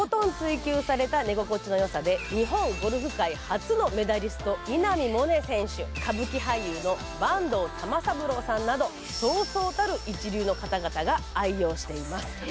日本ゴルフ界初のメダリストの稲見萌寧選手や歌舞伎俳優の坂東玉三郎さんなど、そうそうたる一流の方々が愛用しています。